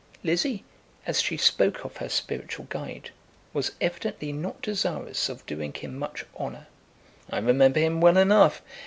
Lizzie, as she spoke of her spiritual guide, was evidently not desirous of doing him much honour. "I remember him well enough.